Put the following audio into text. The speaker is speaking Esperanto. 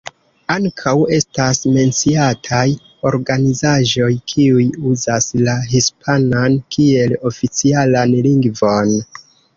Ankaŭ estas menciataj organizaĵoj kiuj uzas la hispanan kiel oficialan lingvon.